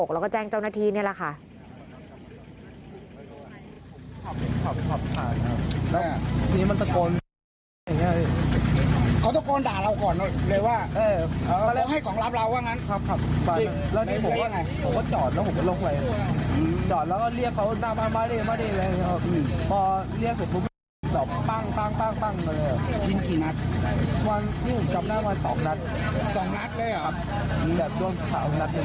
แล้วก็แจ้งเจ้าหน้าที่นี่แหละค่ะ